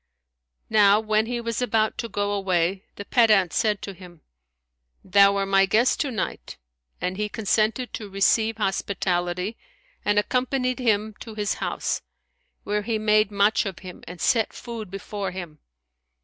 Now when he was about to go away, the pedant said to him, "Thou are my guest to night;" and he consented to receive hospitality and accompanied him to his house, where he made much of him and set food before him.